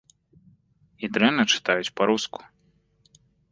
І дрэнна чытаюць па-руску.